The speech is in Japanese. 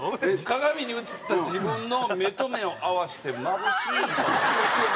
鏡の映った自分の目と目を合わせて眩しい顔。